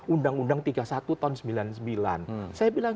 undang undang tiga puluh satu tahun sembilan puluh sembilan saya bilang